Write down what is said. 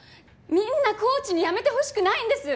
みんなコーチに辞めてほしくないんです！